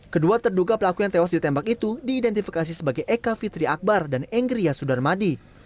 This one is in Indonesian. kedua terduga pelaku yang tewas ditembak itu diidentifikasi sebagai eka fitri akbar dan engria sudarmadi